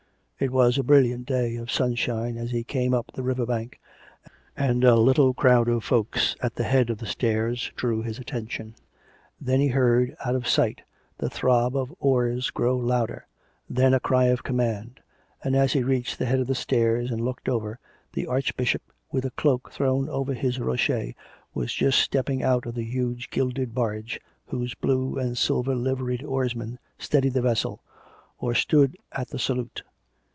278 COME RACK! COME ROPE! It was a brilliant day of sunshine as he came up the river bank, and a little crowd of folks at the head of the stairs drew his attention. Then he heard, out of sight, the throb of oars grow louder; then a cry of command; and, as he reached the head of the stairs and looked over, the Archbishop, with a cloak throwH over his rochet, was just stepping out of the huge gilded barge, whose blue and silver liveried oarsmen steadied the vessel, or stood at the salute.